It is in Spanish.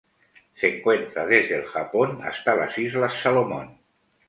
Se encuentra desde el Japón hasta las Islas Salomón.